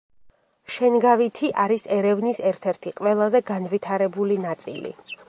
შენგავითი არის ერევნის ერთ-ერთი ყველაზე განვითარებული ნაწილი.